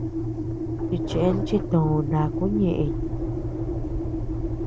Chichen chitöo nakuu ñeʼëñ.